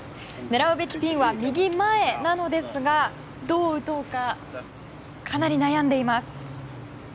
狙うべきピンは右前なのですがどう打とうかかなり悩んでいます。